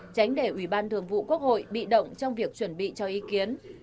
tránh để ủy ban thường vụ quốc hội bị động trong việc chuẩn bị cho ý kiến